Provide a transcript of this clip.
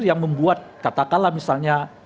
yang membuat katakanlah misalnya